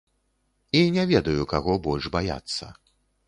І не ведаю, каго больш баяцца.